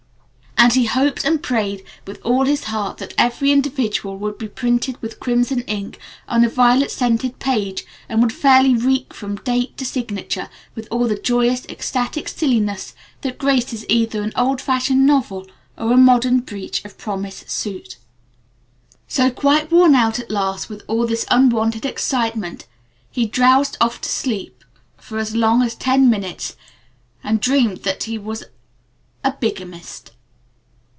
And he hoped and prayed with all his heart that every individual letter would be printed with crimson ink on a violet scented page and would fairly reek from date to signature with all the joyous, ecstatic silliness that graces either an old fashioned novel or a modern breach of promise suit. So, quite worn out at last with all this unwonted excitement, he drowsed off to sleep for as long as ten minutes and dreamed that he was a bigamist.